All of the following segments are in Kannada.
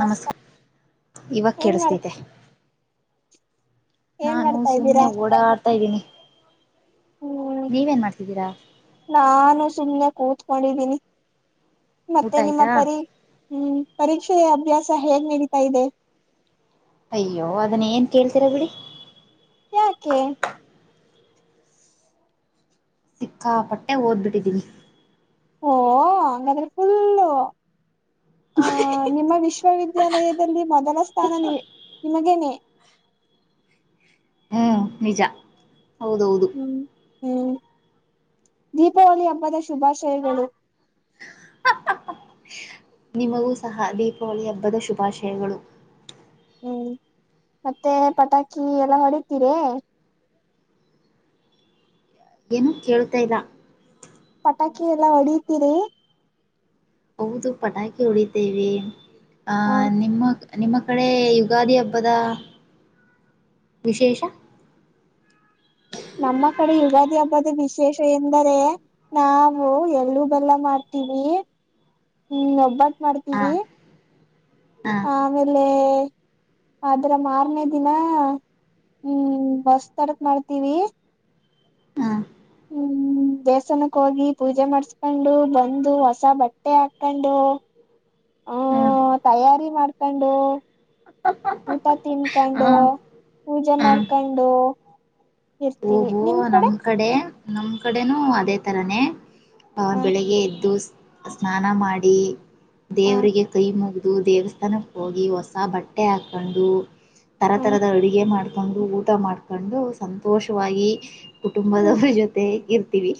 ನಮಸ್ ಇವ ಏನ್ ಮಾಡ್ ಕೇಳಿಸತಿದೆ ಏನ್ ನಾನು ಮಾಡ್ತಾ ಇದ್ದೀರಾ ಸುಮ್ನೆ ಓಡ ಆಡ್ತಾ ಇದ್ದೀನಿ ಹ್ಮ್ ನೀವೇನ್ ಮಾಡ್ತಿದ್ದೀರಾ ನಾನು ಸುಮ್ಮನೆ ಕೂತ ಕೊಂಡಿದ್ದೀನಿ ಊಟ ಮತ್ತೆ ನಿಮ್ಮ ಆಯ್ತಾ ಪರಿ ಹ್ಮ್ ಪರೀಕ್ಷೆಯ ಅಭ್ಯಾಸ ಹೇಗ್ ನಡೀತಾ ಇದೆ ಅಯ್ಯೋ ಅದನ್ನ ಏನ್ ಕೇಳ್ತೀರಾ ಬಿಡಿ ಯಾಕೆ ಸಿಕ್ಕಾಪಟ್ಟೆ ಓದ್ಬಿಟ್ಟಿದ್ದೀನಿ ಓ ಅಂಗ್ರ ಫುಲ್ ಆ ನಿಮ್ಮ ವಿಶ್ವವಿದ್ಯಾಲಯದಲ್ಲಿ ಮೊದಲ ಸ್ಥಾನ ನಿ ನಿಮಗೇನೆೇ ಹ್ಮ್ ನಿಜ ಹೌದೌದು ಹ್ಮ್ ಹ್ಮ್ ದೀಪಾವಳಿ ಹಬ್ಬದ ಶುಭಾಶಯಗಳು ನಿಮಗೂ ಸಹ ದೀಪಾವಳಿ ಹಬ್ಬದ ಶುಭಾಶಯಗಳು ಹ್ಮ್ ಮತ್ತೆ ಪಟಾಕಿ ಎಲ್ಲ ಹೊಡಿತೀರೆ ಏನು ಕೇಳ್ತಾ ಇಲ್ಲಾ ಪಟಾಕಿ ಎಲ್ಲಾ ಹೊಡತೀರಿ ಹೌದು ಪಟಾಕಿ ಉಡಿತೇವಿ ಹ ಆಹ ನಿಮ್ಮ ನಿಮ್ಮ ಕಡೆ ಯುಗಾದಿ ಹಬ್ಬದ ವಿಶೇಷ ನಮ್ಮ ಕಡೆ ಯುಗಾದಿ ಹಬ್ಬದ ವಿಶೇಷ ಎಂದರೆ ನಾವು ಎಳ್ಳೂ ಬೆಲ್ಲ ಮಾಡ್ತೀವಿ ಹ್ಮ್ ಒಬ್ಬಟ್ಟ ಹಾ ಮಾಡ್ತೀವಿ ಹಾ ಆಮೇಲೆ ಅದ್ರ ಮಾರನೇ ದಿನ ಹ್ಮ್ ಬಸ್ತರಕ್ ಮಾಡ್ತೀವಿ ಹಾ ಹ್ಮ್ ದೇವಸ್ಥಾನಕ್ಕೆ ಹೋಗಿ ಪೂಜೆ ಮಾಡಸ್ಕೊಂಡು ಬಂದು ಹೊಸ ಬಟ್ಟೆ ಹಾಕೊಂಡು ಹ ಹ್ಮ್ ತಯಾರಿ ಮಾಡ್ಕೊಂಡು ಊಟ ತಿನ್ಕೊಂಡು ಹ್ಮ್ ಪೂಜೆ ಮಾಡ್ಕೊಂಡು ಇರ್ತೀವಿ ಓಹೊ ನಿಮ್ ನಮ್ ಕಡೆ ನಮ್ ಕಡೆನೂ ಅದೇ ತರಾನೇ ಹ ನ್ ಬೆಳಿಗ್ಗೆ ಎದ್ದು ಸ್ನಾನ ಮಾಡಿ ಹ ದೇವರಿಗೆ ಕೈ ಮುಗದು, ದೇವಸ್ಥಾನಕ್ಕೆ ಹೋಗಿ ಹೊಸ ಬಟ್ಟೆ ಹಾಕೊಂಡು ತರ ಹ ತರದ ಅಡುಗೆ ಡು ಊಟ ಮಾಡ್ಕೊಂಡು ಸಂತೋಷವಾಗಿ ಹ್ಮ ಕುಟುಂಬದವರ ಜೊತೆ ಇರ್ ವಿ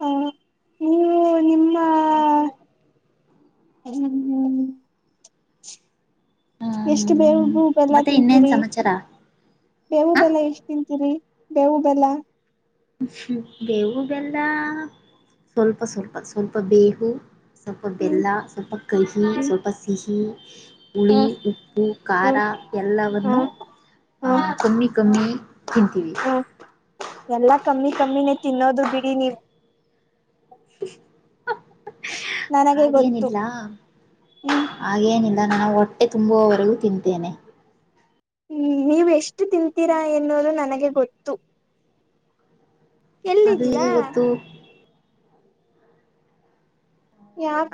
ಹ ನೀವು ನಿಮ್ಮ [unintelligible] ಹ್ಮ್ ಹ್ಮ್ ಎಷ್ಟು ಹ್ಮ್ ಬೇವು ಬೆಲ್ಲಾ ಮತ್ತೆ ಇನ್ನೇನ್ ತಿಂತೀರಿ ಸಮಾಚಾರ ಬೇವು ಹ ಬೆಲ್ಲ ಎಷ್ಟ್ ತಿಂತೀರಿ. ಬೇವು ಬೆಲ್ಲಾ ಬೇವು ಬೆಲ್ಲಾ ಸ್ವಲ್ಪ ಸ್ವಲ್ಪ ಸ್ವಲ್ಪ ಬೇವು ಸ್ವಲ್ಪ ಹ್ಮ್ ಬೆಲ್ಲಾ ಸ್ವಲ್ಪ ಕಹಿ ಹ್ಮ್ ಸ್ವಲ್ಪ ಸಿಹಿ ಹ ಹುಳಿ, ಉಪ್ಪು, ಹ್ಮ್ ಹ ಖಾರಾಎಲ್ಲವನ್ನು ಆಹ ಹ ಕಮ್ಮಿ ಕಮ್ಮಿ ತಿಂತೀವಿ ಹ ಎಲ್ಲಾ ಕಮ್ಮಿ ಕಮ್ಮಿನೇ ತಿನ್ನೋದು ಬಿಡಿ ನೀವು ನನಗೆ ಗೊತ್ತು ಹಾಗೇನಿಲ್ಲಾ ಹ್ಮ್ ಹಾಗೇನಿಲ್ಲ ನಾನ್ನು ನ ಹೊಟ್ಟೆ ತುಂಬುವರೆಗೂ ತಿಂತೇನೆ ಹ್ಮ ನೀವು ಎಷ್ಟು ತಿಂತೀರಾ ಎನ್ನೋದು ನನಗೆ ಗೊತ್ತು ಅದು ಹೇಗೆ ಎಲ್ಲಿದ್ದೀರಾ ಗೊತ್ತು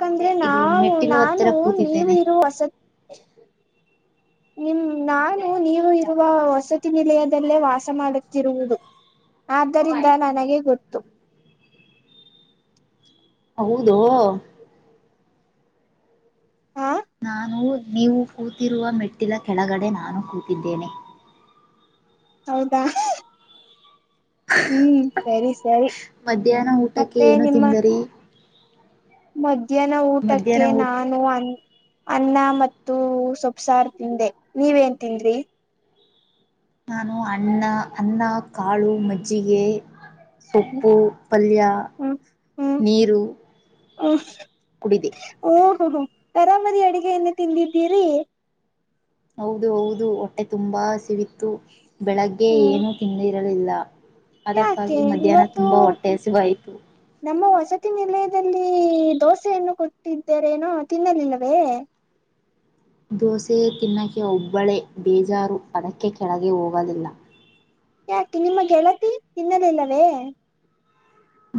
ಇಲ್ಲೇ ಇದು ನಾವು ಮೆಟ್ಟಿಲು ಹತ್ತಿರ ನಾನು ನೀವು ಕೂತಿದ್ದೇನೆ ಇರ ಹೊಸ ನಿಮ ನಾನು ನೀವು ಇರುವ ವಸತಿ ನಿಲಯದಲ್ಲೇ ವಾಸ ಮಾಡುತ್ತಿರುವುದು ಆದ್ದರಿಂದ ನನಗೆ ಗೊತ್ತು ಹೌದು ಹಾ ನಾನು ನೀವು ಕೂತಿರುವ ಮೆಟ್ಟಿಲ ಕೆಳಗಡೆ ನಾನು ಕೂತಿದ್ದೇನೆ. ಹೌದಾ ಹ್ಮ್ ಸರಿ ಸರಿ ಮಧ್ಯಾಹ್ನ ಊಟಕ್ಕೆ ಮತ್ತೆ ಏನು ನಿಮ್ಮ ತಿಂದರಿ ಮಧ್ಯಾಹ್ನ ಊಟಕ್ಕೆ ಮಧ್ಯಾಹ್ನ ಊಟ ನಾನು ಅನಾ ಅನ್ನ ಮತ್ತು ಸೊಪ ಸಾರ್ ತಿಂದೆ ನೀವೇನ್ ತಿಂದ್ರಿ ನಾನು ಅಣ್ಣ, ಅನ್ನ, ಕಾಳು, ಮಜ್ಜಿಗೆ, ಹ್ಮ್ ಸೊಪ್ಪು, ಪಲ್ಯಾ, ನೀರು, ಹ ಕುಡಿದೆ ಓ ಹೋ ಹ ತರಾಮರಿ ಅಡಗೆಯನ್ನು ತಿಂದ್ದೀರಿ ಹೌದು ಹೌದು ಹೊಟ್ಟೆ ತುಂಬಾ ಹಸಿವಿತ್ತು ಬೆಳಗ್ಗೆ ಹ್ಮ್ ಏನು ತಿಂದಿರಲಿಲ್ಲಾ ಯಾಕೆ ಅದಕ್ಕಾಗಿ, ಮಧ್ಯಾಹ್ನ ಇವತ್ತು ತುಂಬಾ ಹೊಟ್ಟೆ, ಹಸಿವಾಯಿತು. [inaudible] ಅಷ್ಟು ತಿಂದೇ ಇಲ್ಲ, ದೋಸೆಯಣ್ಣು ಕೊಟ್ಟಿದ್ದರೇನೋ ತಿನ್ನಲಿಲ್ಲವೇ? [inaudible] ದೋಸೆ, ತಿನ್ನಕ್ಕೆ, ಒಬ್ಬಳೇ ಬೇಜಾರು ಅದಕ್ಕೆ ಕೆಳಗೆ, ಹೋಗೋದಿಲ್ಲ. [inaudible] ಯಾಕೆ, ನಿಮ್ಮ ಗೆಳತಿ ತಿನ್ನಲಿಲ್ಲವೇ? [inaudible]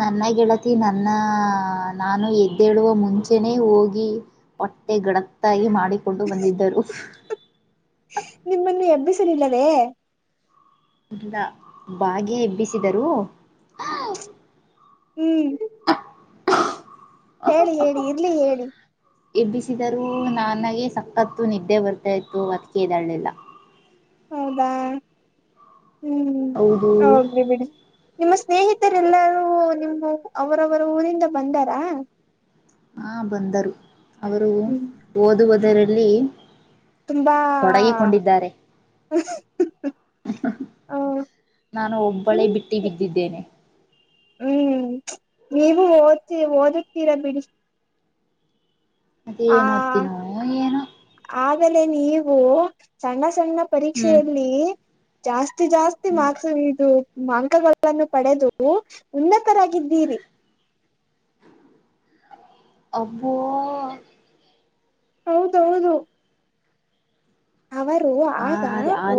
ನನ್ನ ಗೆಳತಿ, ನನ್ನ ನಾನು ಎದ್ದೇಳುವ ಮುಂಚೆನೆ ಹೋಗಿ? [inaudible] ಮತ್ತೆ, ಗಡತ್ತಾಗಿ ಮಾಡಿಕೊಂಡು ಬಂದಿದ್ದರು? [unintelligible] ನಿಮ್ಮನ್ನು, ಎಬ್ಬಿಸಲಿಲ್ಲವೇ? [inaudible] ಇಲ್ಲಾ, ಬಾಗ್ಯ ಎಬ್ಬಿಸಿದರು? [unintelligible] ಹ್ಮ್. [inaudible] ಹೇಳಿ, ಹೇಳಿ, ಇರ್ಲಿ ಹೇಳಿ? [inaudible] ಎಬ್ಬಿಸಿದರೂ, ನನಗೆ ಸಕತ್ತು! ನಿದ್ದೆ ಬರ್ತಾ ಇತ್ತು, ಅದಕ್ಕೆ, ಎದ್ದೆಯಲಿಲ್ಲ. [inaudible] ಹೌದಾ! ಹ್ಮ್, ಹೌದು ಹೋಗ್ಲಿ ಬಿಡಿ? [inaudible] ನಿಮ್ಮ, ಸ್ನೇಹಿತರೆಲ್ಲರೂ! ನಿಮ, ಅವರವರು ಊರಿಂದ ಬಂದಾರಾ? [inaudible] ಹ, ಬಂದರು ಅವರು ಹ್ಮ್ ಓದುವುದರಲ್ಲಿ? ತುಂಬಾ [inaudible] ತೊಡಗಿಕೊಂಡಿದ್ದಾರೆ? [inaudible] [unintelligible] [inaudible] ಹಾಅ, ನಾನು, ಒಬ್ಬಳೇ ನಿಮ್ ಬಿಟ್ಟು ಬಿದ್ದಿದ್ದೇನೆ? [inaudible] ಹ್ಮ್, ನೀವು, ಓದ್ತಿ ಓದಿಡ್ತೀರಾ ಬಿಡಿ? [inaudible] ಅದು ಏನು ಓದ್ತೀನೋ ಏನು? [inaudible] ಆಮೇಲೆ, ನೀವು, ಸಣ್ಣ, ಸಣ್ಣ, ಹ್ಮ್. ಪರೀಕ್ಷೆಯಲ್ಲಿ ಜಾಸ್ತಿ? [inaudible] ಇಷ್ಟು, ಜಾಸ್ತಿ, ಮಾರ್ಕ್ಸ್ ಇದು? [inaudible] ಮಾಂಕಲ್ಗಳನ್ನು, ಪಡೆದು ಉನ್ನತರಾಗಿದ್ದೀರಿ? [inaudible] ಅಬ್ಬೋ? [inaudible] ಹೌದೌದು? [inaudible] ಅವರು ಆ, ಆಗ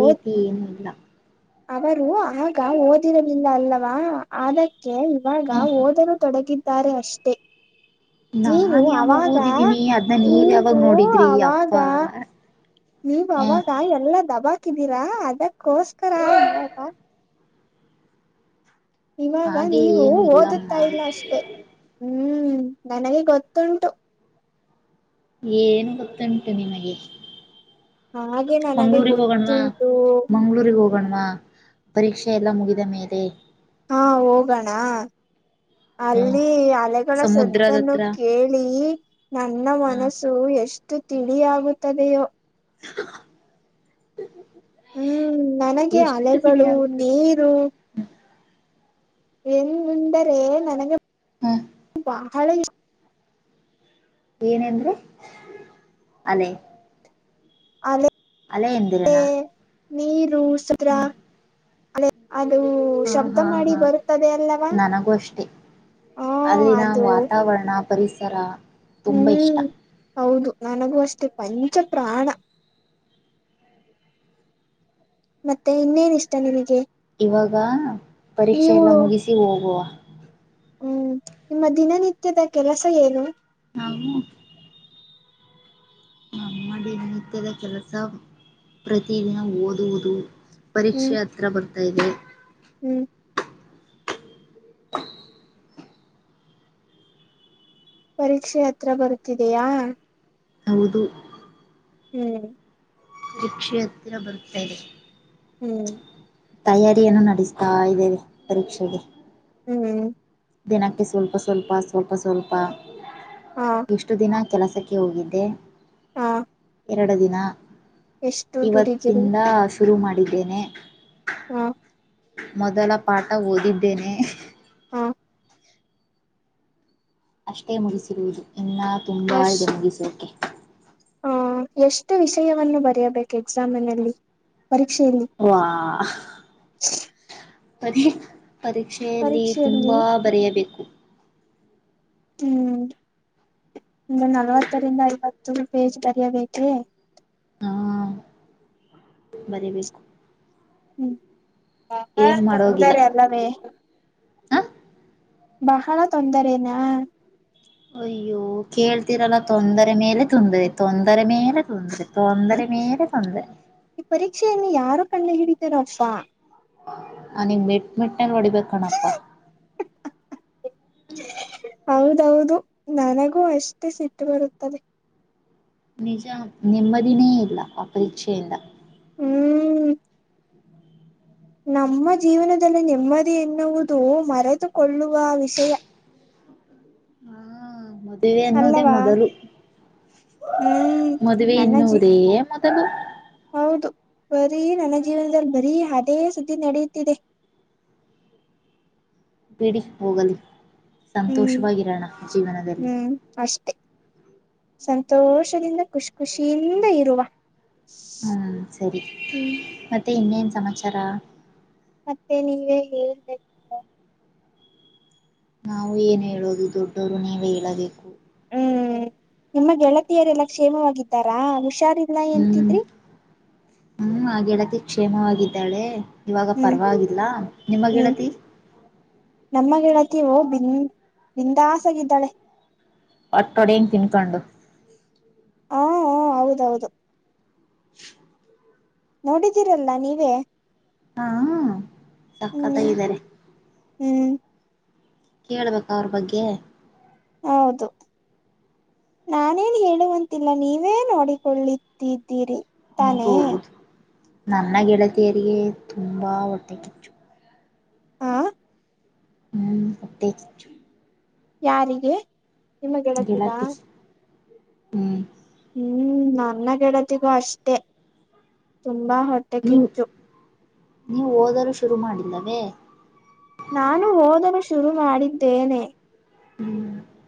ಓದ ಏನಿಲ್ಲ? [inaudible] ಅವರು ಆಗ ಓದಿರಲಿಲ್ಲ! ಅಲ್ಲವಾ ಅದಕ್ಕೆ ಇವಾಗ ಹ್ಮ್. ಓದಲು ತೊಡಗ? [inaudible] ಹಿದ್ದಾರೆ, ಅಷ್ಟೇ? [inaudible] ನೀನು, ನಾನ್ ಯಾವಾಗ್ ಅವಾಗ ಓದಿದ್ದೀನಿ ಅದ್ನ ನೀವ್ ನೀವು ಯಾವಾಗ್ ನೋಡಿದ್ರಿ ಅವಾಗ? ಅಪ್ಪಾ. [inaudible] ನೀವು, ಹ್ಮ್. ಅವಾಗ ಎಲ್ಲಾ ದಬಾಕಿದೀರಾ ಅದಕ್ಕೋಸ್ಕರ? [inaudible] ಇವಾಗ, ಹಾಗೆ ನೀವು ಏನೂ ಇಲ್ಲಮ್ಮ. ಓದುತ್ತಾ ಇಲ್ಲ ಅಷ್ಟೇ? [inaudible] ಹ್ಮ್, ನನಗೆ ಗೊತ್ತುಂಟು. [inaudible] ಏನ್, ಗೊತ್ತುಂಟು, ನಿಮಗೆ? [inaudible] ಹಾಗೆ ನನಗೆ ಮಂಗ್ಳೂರಿಗೆ, ಹೋಗಣವಾ! ಗೊತ್ತುಂಟು ಮಂಗ್ಳೂರಿಗೆ ಹೋಗ. [inaudible] ಹೋಗಾನವಾ, ಪರೀಕ್ಷೆ ಎಲ್ಲ ಮುಗಿದ ಮೇಲೆ? [inaudible] ಹಾ, ಹೋಗೋಣ? [inaudible] ಹ್ಮ್ ಅಲ್ಲಿ, ಅಲೆಗಳ ಸಮುದ್ರದ ಸದ್ದನ್ನು! ಹತ್ರ ಕೇಳಿ ನನ್ನ ಹ ಮನಸ್ಸು ಎಷ್ಟು? [inaudible] ಚೀಲಿಯಾಗುತ್ತೋ ಭಯೋ? [inaudible] [unintelligible] [inaudible] ಹ್ಮ್, ನನಗೆ ಎಷ್ಟು ಅಲೆಗಳು ತಿಳಿಯಾಗುತ್ತದೆ ನೀರು? [inaudible] ಏನೆಂದರೆ, ನನಗೆ ಹ ಬಹಳ? [inaudible] ಏನಂದ್ರಿ, ಅಲೆ? [unintelligible] ಆಲೆ. [inaudible] ಅಲ್ಲೇ, ಎಂದಿರೆನಾ? [inaudible] ಆಧುಸುದಾರ.. [inaudible] ಅದೇ, ಅದು ಹಾ ಶಬ್ದ ಹಾ ಮಾಡಿ ಹಾ ಬರುತ್ತದೆ ಅಲ್ಲವಾ? [inaudible] ನನಗೂ ಅಷ್ಟೆ ಅಲ್ಲಿನ, ಅದು ವಾತಾವರಣ ಪರಿಸರ ತುಂಬಾ ಇಷ್ಟ? ಹ್ಮ್ [inaudible] ಹೌದು, ನನಗೂ ಅಷ್ಟೆ ಪಂಚಪ್ರಾಣ? [inaudible] ಮತ್ತೆ, ಇನ್ನೇನ್ ಇಷ್ಟ ನಿನಗೆ? [inaudible] ಇವಾಗ, ಪರೀಕ್ಷೆ ನೀವು ಎಲ್ಲ ಮುಗಿಸಿ ಹೋಗುವ? [inaudible] ಹ್ಮ್, ನಿಮ್ಮ ದಿನನಿತ್ಯದ ಕೆಲಸ ಏನು? [inaudible] ನಾವು. ನಮ್ಮ ದಿನ ನಿತ್ಯದ ಕೆಲಸ ಪ್ರತಿದಿನ ಓದುವುದು. ಪರೀಕ್ಷೆ ಹ್ಮ್ ಹತ್ರ ಬರ್ತಾ ಇದೆ. ಹ್ಮ್. ಪರೀಕ್ಷೆ ಹತ್ರ ಬರುತ್ತಿದೆಯಾ. ಹೌದು. ಹ್ಮ್. ಪರಿಕ್ಷೇ ಹತ್ರ ಬರ್ತಾಯಿದೆ. ಹ್ಮ್. ತಯಾರಿಯನ್ನು ನಡೆಸ್ತಾ ಇದ್ದೇನೆ ಪರೀಕ್ಷೆಗೆ. ಹ್ಮ್. ದಿನಕ್ಕೆ ಸ್ವಲ್ಪ ಸ್ವಲ್ಪ ಸ್ವಲ್ಪ ಸ್ವಲ್ಪ ಹಾ ಇಷ್ಟು ದಿನ. ಕೆಲಸಕ್ಕೆ ಹೋಗಿದ್ದೆ. ಹ್ಮ್ಮ್. ಎರಡು ದಿನ ದುಡಿದಿರಿ ಇವತ್ತಿಂದ ಶುರು ಮಾಡಿದ್ದೇನೆ. ಹ್ಮ. ಮೊದಲ ಪಾಠ ಓದಿದ್ದೇನೆ. ಹ್ಮ. ಅಷ್ಟೇ ಮುಗಿಸಿರುವುದು ಎಲ್ಲ ತುಂಬಾ ಇದೆ ಮುಗಿಸೋಕೆ. ಹ್ಮ್ಮ್ ಎಷ್ಟು ವಿಷಯವನ್ನು ಬರೆಯಬೇಕು ಎಕ್ಸಾಮಿನಲ್ಲಿ. ಪರೀಕ್ಷೆಯಲ್ಲಿ ಹ್ಮ್ಮ್ ವಾ ಪರಿ. ಪರೀಕ್ಷೆಯಲ್ಲಿ ತುಂಬ ಪರೀಕ್ಷೆಯಲ್ಲಿ ಬರೆಯಬೇಕು. ಹ್ಮ್. ಒಂದು ನಲ್ವತ್ತರಿಂದ ಐವತ್ತು ಪೇಜ್ ಬರೆಯಬೇಕೆ. ಹ್ಮ್ಮ್ ಬರಿಬೇಕು. ಹ್ಮ್ [unintelligible] ಏನ್ ಬಹಳ ತೊಂದರೆ ಅಲ್ಲಾವೆ. ಹ್ಮ್. ಬಹಳ ತೊಂದರೇನಾ. ಅಯ್ಯೋ ಕೇಳ್ತೀರಲ್ಲ ತೊಂದರೆ ಮೇಲೆ ತೊಂದರೆ ತೊಂದರೆ ಮೇಲೆ. ತೊಂದರೆ ತೊಂದರೆ ಮೇಲೆ ತೊಂದರೆ. ಏನು ಯಾರು ಕಂಡು ಹಿಡಿತಾರೋ ಅಪ್ಪಾ. ಅ ಮೆಟಮೆಟ್ [unintelligible] ಯಂಗ್ ಹೊಡಿಬೇಕ್ ಕಣಪ್ಪ. ಹೌದೌದು ನನಗೂ ಅಷ್ಟೇ ಸಿಟ್ಟು ಬರುತ್ತದೆ. ನಿಜ ನೆಮ್ಮದಿನೇ ಇಲ್ಲ ಅ ಪರೀಕ್ಷೆಯಿಂದ. ಹ್ಮ್ ನಮ್ಮ ಜೀವನದಲ್ಲಿ ನೆಮ್ಮದಿ ಎನ್ನುವುದು ಮರೆತುಕೊಳ್ಳುವ ವಿಷಯ. ಹ್ಮ್ಮ ಮತ್ತ. ಮದುವೆ ಅನ್ನುವುದೇ ಅಲ್ಲವಾ ಮೊದಲು ಹ್ಮ್ ಮದುವೆ ನನ್ನ ಜೀ ಎನ್ನುವುದೇ ಮೊದಲು. ತಗೋ. ಹೌದು ಬರೀ ನನ್ನ ಜೀವನದಲ್ಲಿ ಬರೀ ಅದೇ ಸುದ್ದಿ ನಡೆಯುತ್ತಿದೆ. [inaudible] ಬಿಡಿ ಹೋಗಲಿ ಹ್ಮ್ ಸಂತೋಷವಾಗಿರೋಣ ಜೀವನದಲ್ಲಿ. ಹ್ಮ್ ಅಷ್ಟೆ ಸಂತೋಷದಿಂದ ಖುಷ್ ಖುಷಿಯಿಂದ ಇರುವ. ಹ್ಮ್ ಸರಿ ಹ್ಮ್ ಮತ್ತೆ ಇನ್ನೇನ ಸಮಾಚಾರ. ಮತ್ತೆ ನೀವೇ ಹೇಳಬೇಕು ಪ. ನಾವು ಏನ್ ಹೇಳೋದು ದೊಡ್ಡವರು ನೀವೆ ಹೇಳಬೇಕು. ಹ್ಮ್ ನಿಮ್ಮ ಗೆಳತಿಯರೆಲ್ಲಾ ಕ್ಷೇಮವಾಗಿದ್ದಾರಾ. ಹುಷಾರಿಲ್ಲ ಹ್ಮ್ ಎಂತಿದ್ರಿ ಹ್ಮ್ ಆ ಗೆಳತಿ. ಕ್ಷೇಮವಾಗಿದ್ದಾಳೆ ಇವಾಗ ಹ್ಮ್ ಪರವಾಗಿವಾಗಿಲ್ಲ ನಿಮ ಹ್ಮ್ ಗೆಳತಿ. ಓಕೆ ಬಿಂದ ಬಿಂದಸ ಆಗಿದ್ದಾಳೆ. ಒಟ್ಟೊಡ ತಿನ್ಕಂಡು ಹಾ ಹ್ಮ ಹೌದೌದು ನೋಡಿದ್ದೀರಲ್ಲ ನೀವೇ ಹಾ ಸಕ್ಕತ್ತ ಹ್ಮ್ ಇದಾರೆ ಹ್ಮ್ ಕೇಳ್ಬೇಕ ಅವ್ರ ಬಗ್ಗೆ ಹೌದು ನಾನೇನ್ ಹೇಳುವಂತಿಲ್ಲ ನೀವೇ ನೋಡಿಕೊಳ್ಳಿದ್ದಿದ್ದೀರಿ ಹೌದ ಹೌದು ನನ್ನ ಗೆಳತಿಯರಿಗೆ ತುಂಬಾ ಹೊಟ್ಟೆ ಕಿಚ್ಚು ಆ ಹ್ಮ್ ಹೊಟ್ಟೆ ಕಿಚ್ಚು ಯಾರಿಗೆ ನಿಮ್ಮ ಗೆಳತ್ತೀಗ ಗೆಳತಿ ಹ್ಮ್ ಹ್ಮ್ ನನ್ನ ಗೆಡತಿಗೂ ಅಷ್ಟೇ ತುಂಬಾ ಹೊಟ್ಟೆ ನೀವು ಕಿಚ್ಚು ನೀವು ಓದಲುೂ ಶುರು ಮಾಡಿಲ್ಲವೇ ತುರು ಮಾಡಿದ್ದೇನೆ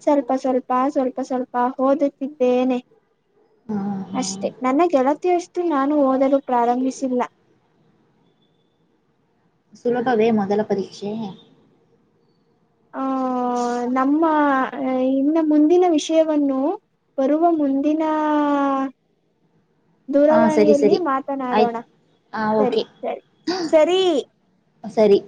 ಸ್ವಲ್ಪ ಸ್ವಲ್ ಸ್ಪ ಸ್ವಲ್ಪ ಸ್ವಲ್ಪ ಓದುತ್ತಿದ್ದೇನೆ ಹಾ ಹಾ ಅಷ್ಟೆ ನನ್ನ ಗೆಳತಿ ಅಷ್ ಇವತ್ತು ನಾನು ಓದಲು ಪ್ರಾರಂಭಿಸಿಲ್ಲ ಸುಲಭಾವೇ ಮೊದಲ ಪರೀಕ್ಷೆ ಆ ನಮ್ಮ ಇನ್ನ ಮುಂದಿನ ವಿಷಯವನ್ನು ಬರುವ ಮುಂದಿನಾ ಹಾ ಸರಿ ದೂರವಾಣಿಯಲ್ಲಿ ಸರಿ ಮಾತನಾಡೋಣ ಆಯ್ತು ಹಾ ಸರಿ ಓಕೆ ಸರಿ ಸರಿ ಸರಿ